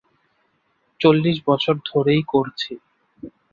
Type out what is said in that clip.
চল্লিশ বছর ধরেই করছি।